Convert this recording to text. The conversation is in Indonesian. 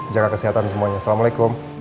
jaga kesehatan semuanya assalamualaikum